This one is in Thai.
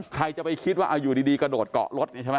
ใครจะไปคิดว่าเอาอยู่ดีกระโดดเกาะรถนี่ใช่ไหม